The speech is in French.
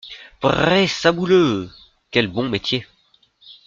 Prrré Sabouleux ! quel bon métier !